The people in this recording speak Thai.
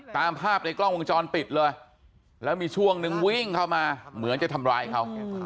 ตามภาพในกล้องวงจรปิดเลยแล้วมีช่วงนึงวิ่งเข้ามาเหมือนจะทำร้ายเขา